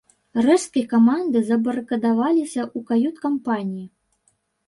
Рэшткі каманды забарыкадаваліся ў кают-кампаніі.